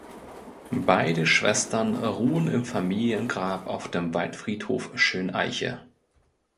Beide Schwestern ruhen im Familiengrab auf dem Waldfriedhof Schöneiche.